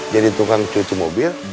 jadi tukang cuci mobil